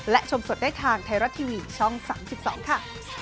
และชมสดได้ทางไทยรัฐทีวีช่อง๓๒ค่ะ